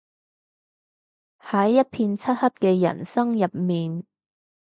喺一片漆黑嘅人生入面